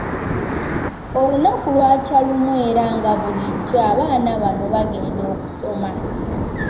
Olunaku lwakya lumu era nga bulijjo abaana bano baagenda okusoma.